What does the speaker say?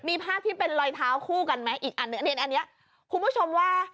มีภาพที่เป็นรอยเท้าคู่กันไหมอีกอันหนึ่งอันนี้คุณผู้ชมว่า